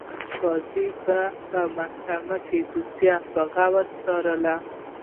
قاضي به په محکمه کې دوسیه په غور څارله.